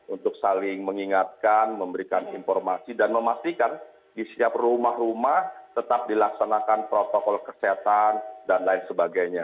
untuk saling mengingatkan memberikan informasi dan memastikan di setiap rumah rumah tetap dilaksanakan protokol kesehatan dan lain sebagainya